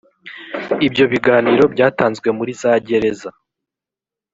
ibyo biganiro byatanzwe muri za gereza .